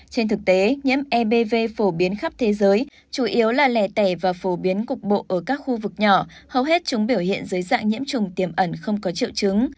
trên thực tế nhiễm ebv phổ biến khắp thế giới chủ yếu là lẻ tẻ và phổ biến cục bộ ở các khu vực nhỏ hầu hết chúng biểu hiện dưới dạng nhiễm trùng tiềm ẩn không có triệu chứng